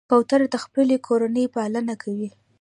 کوتره د خپلې کورنۍ پالنه کوي.